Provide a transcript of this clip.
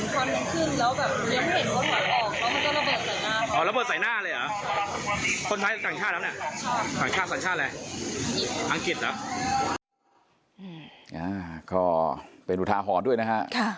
เขาเป็นอุทาหอดด้วยนะครับ